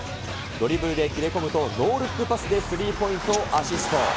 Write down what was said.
ドリブルで切れ込むとノールックパスでスリーポイントをアシスト。